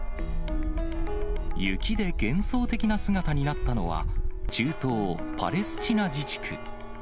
雪で幻想的な姿になったのは、中東パレスチナ自治区。